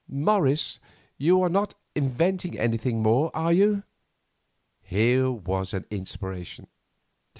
Morris, you are not inventing anything more, are you?" Here was an inspiration.